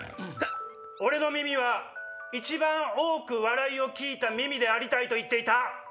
「俺の耳は一番多く笑いを聞いた耳でありたい」と言っていた。